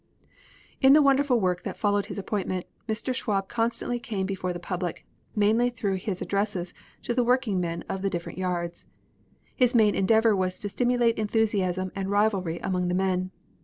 In the wonderful work that followed his appointment Mr. Schwab constantly came before the public, mainly through his addresses to the working men of the different yards. His main endeavor was to stimulate enthusiasm and rivalry among the men.